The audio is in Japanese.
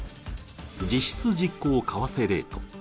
実質実効為替レート。